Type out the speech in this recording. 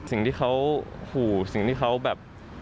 สิ่งที่เขาขู่สิ่งที่เขาแบบ